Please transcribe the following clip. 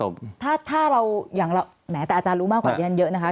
มูลเหตุจูงใจไง